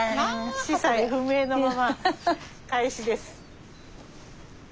子細不明なまま開始です。